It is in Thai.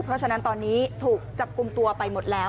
เพราะฉะนั้นตอนนี้ถูกจับกลุ่มตัวไปหมดแล้ว